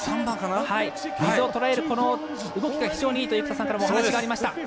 水をとらえる動きが非常にいいと生田さんからもお話がありました。